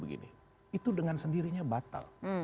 itu dengan sendirinya batal